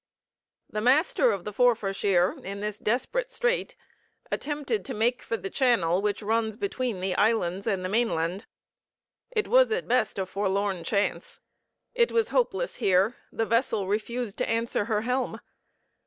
The master of the Forfarshire in this desperate strait attempted to make for the channel which runs between the Islands and the mainland. It was at best a forlorn chance; it was hopeless here; the vessel refused to answer her helm!